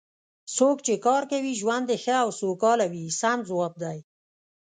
څوک چې کار کوي ژوند یې ښه او سوکاله وي سم ځواب دی.